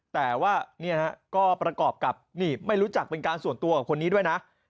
แต่ว่าก็ประกอบกับนี่ไม่รู้จักเป็นการส่วนตัวกับคนนี้ด้วยนะ